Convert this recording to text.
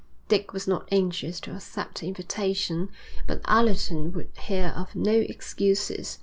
Dick was not anxious to accept the invitation, but Allerton would hear of no excuses.